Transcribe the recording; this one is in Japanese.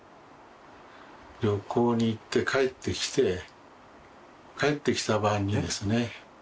旅行に行って帰ってきて帰ってきた晩にですね